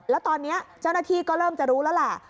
แล้วตอนนี้เจ้าหน้าที่ก็เริ่มจะรู้แล้วแหละ